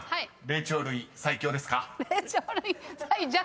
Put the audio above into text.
霊長類最強ですか？］